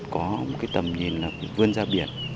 có một tầm nhìn vươn ra biển